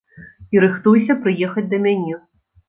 І рыхтуйся прыехаць да мяне.